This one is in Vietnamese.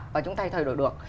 và chúng ta thay đổi được